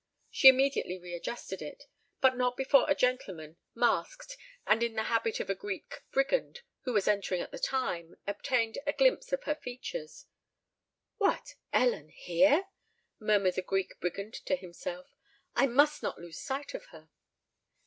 She immediately re adjusted it—but not before a gentleman, masked, and in the habit of a Greek Brigand, who was entering at the time, obtained a glimpse of her features. "What? Ellen here!" murmured the Greek Brigand to himself: "I must not lose sight of her!"